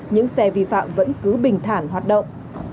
những xe vi phạm vẫn cứ bình thản hoạt động